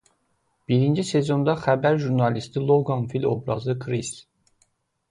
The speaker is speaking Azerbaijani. Birinci sezonda xəbər jurnalisti Loqan Fil obrazı Kris.